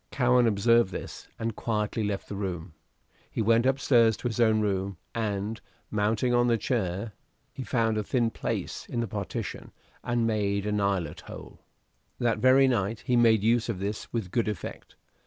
Cowen observed this, and quietly left the room. He went up stairs to his own room, and, mounting on a chair, he found a thin place in the partition and made an eyelet hole. That very night he made use of this with good effect.